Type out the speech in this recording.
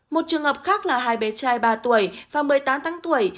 một trường hợp khác là hai bé trai ba tuổi và một mươi tám tháng tuổi